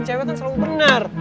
cewek kan selalu benar